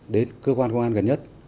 đến cơ quan công an gần nhất